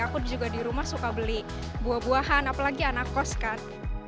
aku juga di rumah suka beli buah buahan apalagi anak kos kan